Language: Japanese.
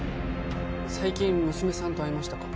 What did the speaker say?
最近娘さんと会いましたか？